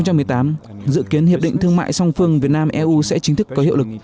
năm hai nghìn một mươi tám dự kiến hiệp định thương mại song phương việt nam eu sẽ chính thức có hiệu lực